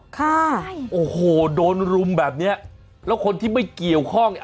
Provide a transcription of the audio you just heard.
ค่ะโอ้โหโดนรุมแบบเนี้ยแล้วคนที่ไม่เกี่ยวข้อง